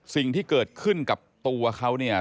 สิ่งที่เกิดขึ้นกับตัวเขาเนี่ย